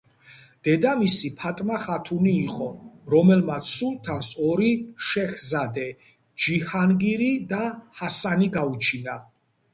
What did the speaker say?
დედამისი ფატმა ხათუნი იყო, რომელმაც სულთანს ორი შეჰზადე: ჯიჰანგირი და ჰასანი გაუჩინა.